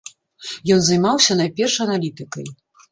Ён займаўся найперш аналітыкай.